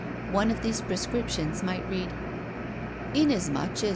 One of these prescriptions might read: "Inasmuch as M.